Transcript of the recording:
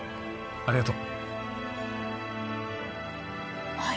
ありがとう。